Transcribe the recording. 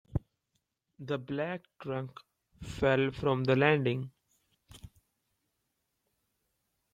The black trunk fell from the landing.